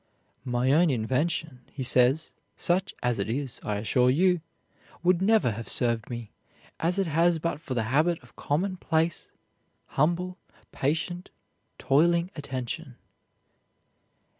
"My own invention," he says, "such as it is, I assure you, would never have served me as it has but for the habit of commonplace, humble, patient, toiling attention."